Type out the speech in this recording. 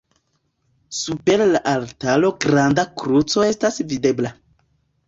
Super la altaro granda kruco estas videbla.